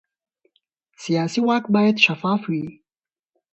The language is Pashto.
سیاسي واک باید شفاف وي